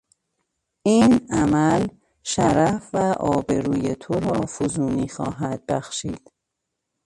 این عمل شرف و آبروی تو را فزونی خواهد بخشید.